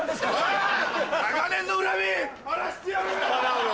長年の恨み晴らしてやる！